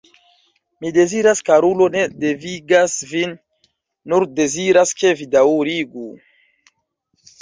Mi deziras, karulo, ne devigas vin, nur deziras, ke vi daŭrigu.